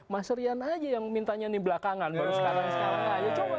mas rian aja yang mintanya nih belakangan baru sekarang sekarang